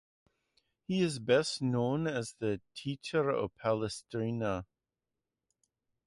He is best known as the teacher of Palestrina.